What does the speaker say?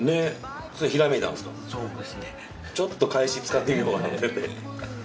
ちょっとかえし使ってみようかなって。